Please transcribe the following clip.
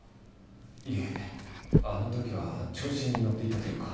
いえあのときは調子に乗っていたというか。